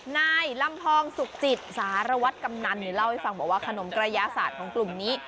นายลำพองสุขจิตสารวัตรกำนันเล่าให้ฟังบอกว่าขนมกระยาศาสตร์ของกลุ่มนี้